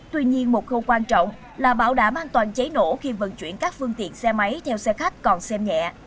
tuy nhiên một khâu quan trọng là bảo đảm an toàn cháy nổ khi vận chuyển các phương tiện xe máy theo xe khách còn xem nhẹ